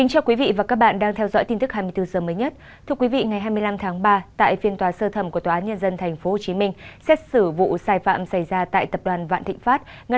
hãy đăng ký kênh để ủng hộ kênh của chúng mình nhé